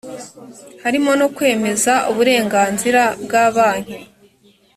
harimo no kwemeza uburenganzira bwa banki